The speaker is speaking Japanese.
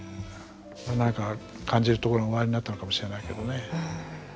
何か感じるところがおありになったのかもしれないけどね。